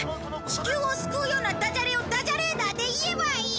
地球を救うようなダジャレをダジャレーダーで言えばいい！